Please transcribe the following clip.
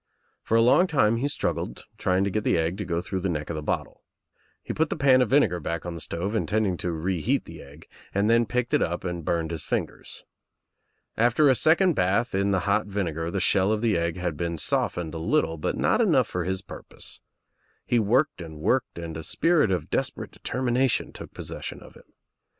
For a long time he struggled, trying to get the egg to go through the neck of the bottle. He put the pan of vinegar back on the stove, intending to reheat the egg, then picked it up and burned his fingers. After a :cond bath in the hot vinegar the shell of the egg lad been softened a little but not enough for his pur pose. He worked and worked and a spirit of des perate determination took possession of him.